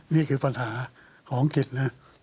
นี่คือปัญหาของกิจ